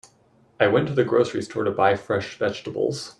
I went to the grocery store to buy fresh vegetables.